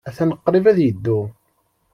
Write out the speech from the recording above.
Atan qrib ad yeddu.